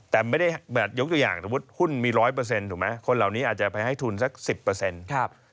แต่ไม่ได้ยกอย่างสมมุติหุ้นมี๑๐๐ถูกไหมคนเหล่านี้อาจจะไปให้ทุนสัก๑๐